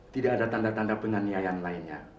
tidak ada tanda tanda penganiayaan lainnya